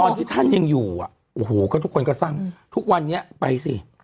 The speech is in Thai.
ที่ท่านยังอยู่อ่ะโอ้โหก็ทุกคนก็สร้างทุกวันนี้ไปสิ